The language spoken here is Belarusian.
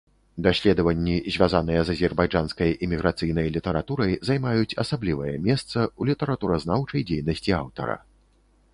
Даследаванні, звязаныя з азербайджанскай эміграцыйнай літаратурай, займаюць асаблівае месца ў літаратуразнаўчай дзейнасці аўтара.